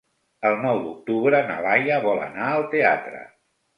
El nou d'octubre na Laia vol anar al teatre.